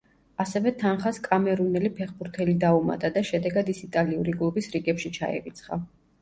ასევე თანხას კამერუნელი ფეხბურთელი დაუმატა და შედეგად ის იტალიური კლუბის რიგებში ჩაირიცხა.